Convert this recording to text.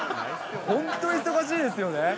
本当、忙しいですよね。